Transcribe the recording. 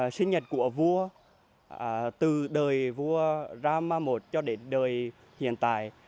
nhưng mà sinh nhật của vua từ đời vua rama i cho đến đời hiện tại